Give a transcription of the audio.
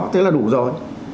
thế là đủ rồi